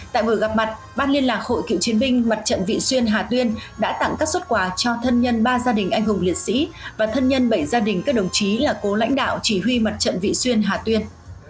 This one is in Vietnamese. tại buổi gặp mặt ban liên lạc hội cựu chiến binh mặt trận vị xuyên hà tuyên đã tặng các xuất quà cho thân nhân ba gia đình anh hùng liệt sĩ và thân nhân bảy gia đình các đồng chí là cố lãnh đạo chỉ huy mặt trận vị xuyên hà tuyên